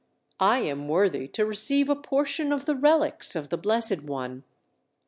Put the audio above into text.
I am worthy to receive a portion of the relics of the Blessed One.